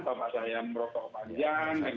mbak saya merokok panjang